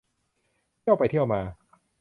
เทียวไปเทียวมา